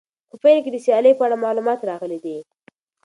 په پیل کې د سیالۍ په اړه معلومات راغلي دي.